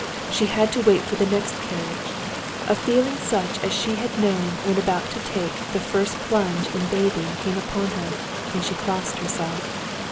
She had to wait for the next carriage. A feeling such as she had known when about to take the first plunge in bathing came upon her, and she crossed herself.